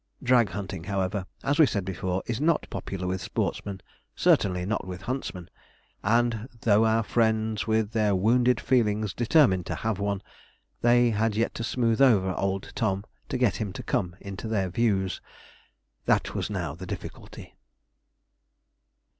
Drag hunting, however, as we said before, is not popular with sportsmen, certainly not with huntsmen, and though our friends with their wounded feelings determined to have one, they had yet to smooth over old Tom to get him to come into their views. That was now the difficulty.